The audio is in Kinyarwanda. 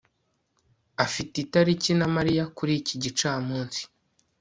afite itariki na mariya kuri iki gicamunsi